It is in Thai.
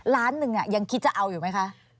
ล้านหนึ่งยังคิดจะเอาอยู่ไหมคะ